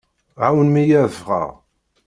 Ɛawnem-iyi ad ffɣeɣ.